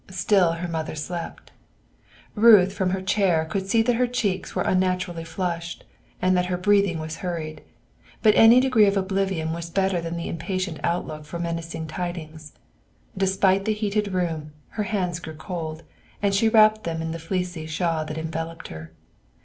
Still her mother slept. Ruth from her chair could see that her cheeks were unnaturally flushed and that her breathing was hurried; but any degree of oblivion was better than the impatient outlook for menacing tidings. Despite the heated room, her hands grew cold, and she wrapped them in the fleecy shawl that enveloped her.